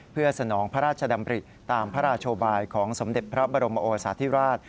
เพื่อสนองพระราชดำริตามพระราชบายของสมเด็จพระบรมโอสาธิราช